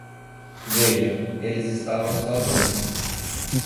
Veja, eles estavam sozinhos.